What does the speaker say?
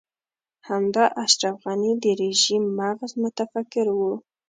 همدا اشرف غني د رژيم مغز متفکر و.